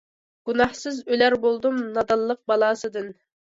گۇناھسىز ئۆلەر بولدۇم، نادانلىق بالاسىدىن.